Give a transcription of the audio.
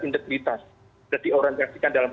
integritas yang diorientasikan dalam